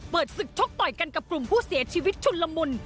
ศึกชกต่อยกันกับกลุ่มผู้เสียชีวิตชุนละมุน